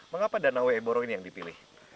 mengapa danau weeboro ini yang dipilih